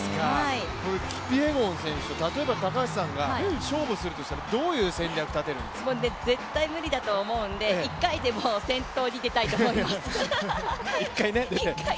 キピエゴン選手、例えば高橋さんが勝負するとしたらもう絶対に無理だと思うので１回でも先頭に出たいと思います。